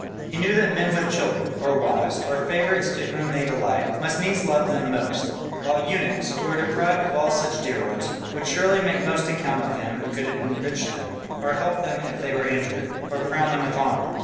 He knew that men with children, or wives, or favourites in whom they delight, must needs love them most: while eunuchs, who are deprived of all such dear ones, would surely make most account of him who could enrich them, or help them if they were injured, or crown them with honour.